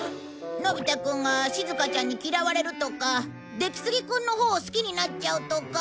のび太くんがしずかちゃんに嫌われるとか出木杉くんのほうを好きになっちゃうとか。